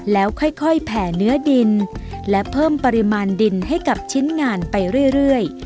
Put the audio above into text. แล้วค่อยแผ่เนื้อดินและเพิ่มปริมาณดินให้กับชิ้นงานไปเรื่อย